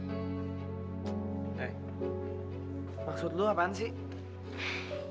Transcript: eh maksud lu apaan sih